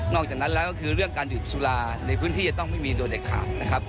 อกจากนั้นแล้วก็คือเรื่องการดื่มสุราในพื้นที่จะต้องไม่มีโดยเด็ดขาดนะครับ